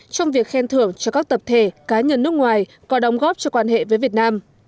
trong việc khen thưởng cho các tập thể cá nhân nước ngoài có đóng góp cho quan hệ với việt nam